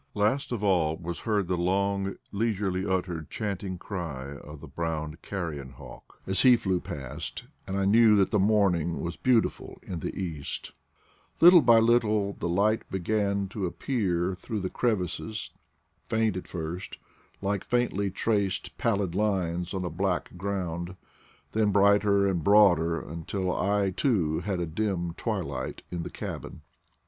Last of all was heard the long, leisurely uttered chanting cry of the brown carrion hawk, as he 26 IDLE DAYS IN PATAGONIA flew past, and I knew that the morning was beau tiful in the east Little by little the light began to appear through the crevices, faint at first, like faintly traced pallid lines on a black ground, then brighter and broader until I, too, had a dim twi light in the cabin.